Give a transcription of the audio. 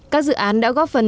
các dự án đã góp phần